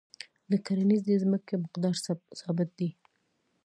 د کرنیزې ځمکې مقدار ثابت دی.